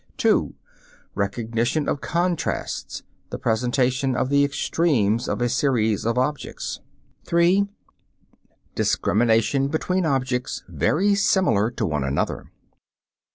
(2) Recognition of contrasts (the presentation of the extremes of a series of objects). (3) Discrimination between objects very similar to one another.